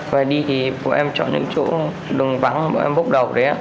và đi thì bọn em chọn những chỗ đường vắng bọn em bốc đầu đấy ạ